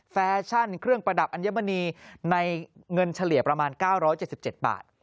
แฟชั่นเครื่องประดับอัญมณีในเงินเฉลี่ยประมาณ๙๗๗บาท